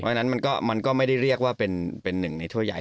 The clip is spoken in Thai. เพราะฉะนั้นมันก็ไม่ได้เรียกว่าเป็นหนึ่งในถ้วยใหญ่